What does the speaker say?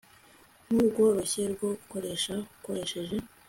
nkurworoshye rwo gukoresha ukoresheje